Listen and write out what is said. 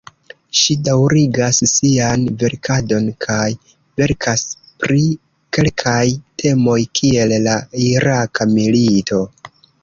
Ŝi daŭrigas sian verkadon kaj verkas pri kelkaj temoj, kiel la Iraka milito.